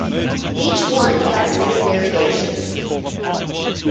Each one has many variations.